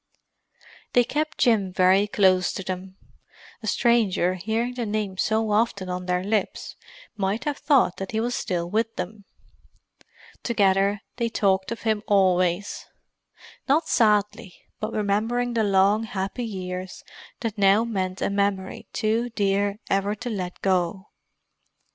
They kept Jim very close to them. A stranger, hearing the name so often on their lips, might have thought that he was still with them. Together, they talked of him always; not sadly, but remembering the long, happy years that now meant a memory too dear ever to let go.